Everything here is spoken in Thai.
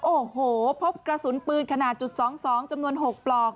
โอ้โหพบกระสุนปืนขนาดจุด๒๒จำนวน๖ปลอก